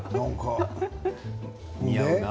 似合うな。